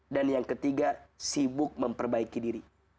dan yang ketiga sibuk memperbaiki diri